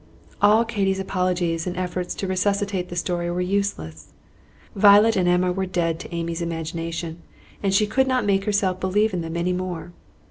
All Katy's apologies and efforts to resuscitate the story were useless. Violet and Emma were dead to Amy's imagination, and she could not make herself believe in them any more.